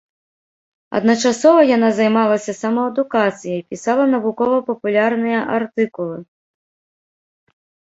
Адначасова яна займалася самаадукацыяй, пісала навукова-папулярныя артыкулы.